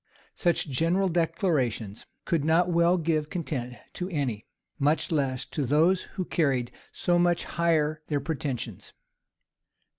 [*] Such general declarations could not well give content to any, much less to those who carried so much higher their pretensions.